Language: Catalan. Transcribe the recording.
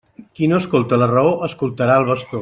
Qui no escolta la raó, escoltarà el bastó.